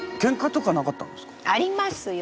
ありますよ